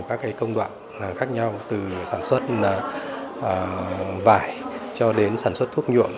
các công đoạn khác nhau từ sản xuất vải cho đến sản xuất thuốc nhuộm